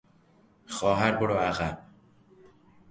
خواهر برو عقب!